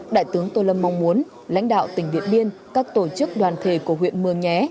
đại tướng tô lâm mong muốn lãnh đạo tỉnh điện biên các tổ chức đoàn thể của huyện mường nhé